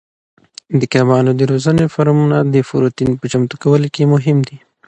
د کبانو د روزنې فارمونه د پروتین په چمتو کولو کې مهم دي.